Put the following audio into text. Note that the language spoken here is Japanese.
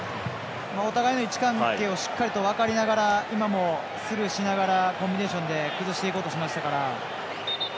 お互いの位置関係をしっかりと分かりながら今もスルーしながらコンビネーションで崩していこうとしていましたから。